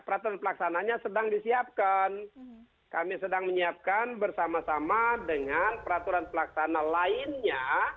peraturan pelaksananya sedang disiapkan kami sedang menyiapkan bersama sama dengan peraturan pelaksana lainnya